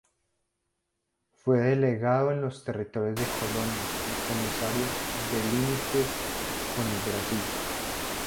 Fue delegado en los territorios de colonias y comisario de límites con el Brasil.